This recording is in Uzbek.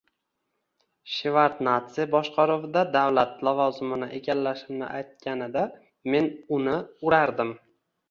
Shevardnadze boshqaruvida davlat lavozimini egallashimni aytganida, men uni urardim